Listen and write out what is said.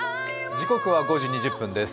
時刻は５時２０分です。